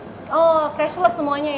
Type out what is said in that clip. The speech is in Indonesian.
oh cashless semuanya ya